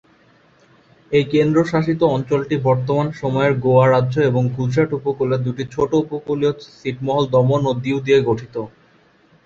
এই কেন্দ্রশাসিত অঞ্চলটি বর্তমান সময়ের গোয়া রাজ্য এবং গুজরাট উপকূলের দুটি ছোট উপকূলীয় ছিটমহল দমন ও দিউ নিয়ে গঠিত।